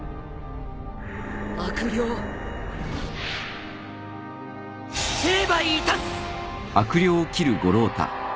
悪霊成敗いたす！